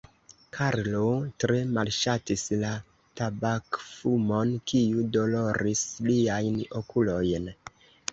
Karlo tre malŝatis la tabakfumon, kiu doloris liajn okulojn.